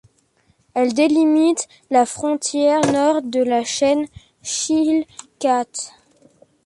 Elle délimite la frontière nord de la chaîne Chilkat.